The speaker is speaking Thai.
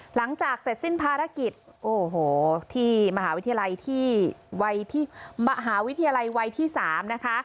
หลังจากเสร็จสิ้นภารกิจโอ้โหที่มหาวิทยาลัยที่วัยที่มหาวิทยาลัยวัยที่๓นะคะ